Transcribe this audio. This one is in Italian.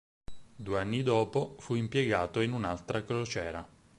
Due anni dopo, fu impiegato in un'altra crociera.